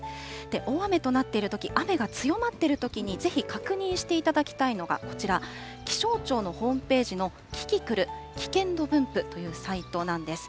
大雨となっているとき、雨が強まってるときにぜひ確認していただきたいのがこちら、気象庁のホームページのキキクル、危険度分布というサイトなんです。